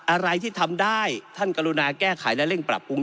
อะไรที่ทำได้ท่านกรุณาแก้ไขและเร่งปรับปรุง